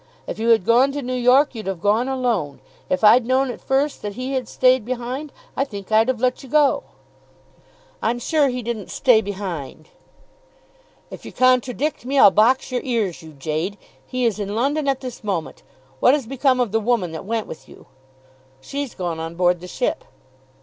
If you had gone to New York, you'd have gone alone. If I'd known at first that he had stayed behind, I think I'd have let you go." "I'm sure he didn't stay behind." "If you contradict me, I'll box your ears, you jade. He is in London at this moment. What has become of the woman that went with you?" "She's gone on board the ship."